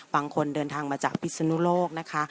บางคนเดินทางมาจากพิศนุโลกนะคะ